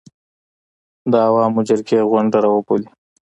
د عوامو جرګې غونډه راوبولي.